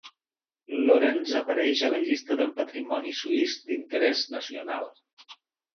Lorenz apareix a la llista del patrimoni suís d'interès nacional.